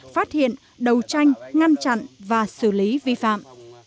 phát hiện đấu tranh ngăn chặn và xử lý vi phạm